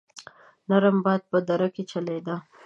نرم باد په دره کې چلېده.